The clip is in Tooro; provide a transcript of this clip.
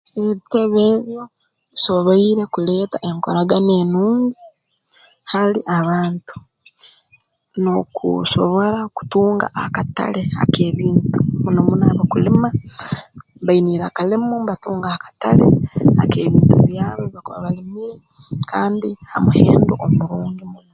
Ebitebe ebyo bisoboire kuleeta enkoragana enungi hali abantu nookusobora kutunga akatale ak'ebintu muno muno abakulima bainiire akalimo nibatunga akatale ak'ebintu byabo bakuba balimire kandi ha muhendo omurungi muno